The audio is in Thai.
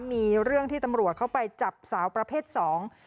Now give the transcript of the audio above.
มีเรื่องที่ตำรวจเข้าไปจับสาวประเภทสอง